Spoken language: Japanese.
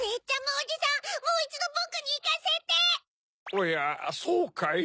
おやそうかい？